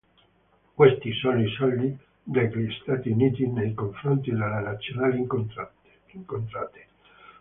Questi sono i saldi degli Stati Uniti nei confronti delle Nazionali incontrate.